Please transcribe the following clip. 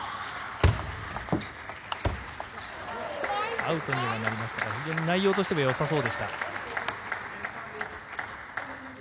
アウトにはなりましたが非常に内容としてはよさそうでした。